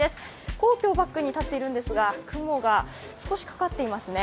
皇居をバックに立っているんですが、雲が少しかかっていますね。